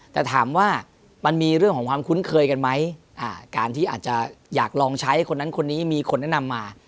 แต่ถามว่ามันมีเรื่องของความคุ้นเคยกันไหมการที่อาจจะอยากลองใช้คนนั้นคนนี้มีคนแนะนำมา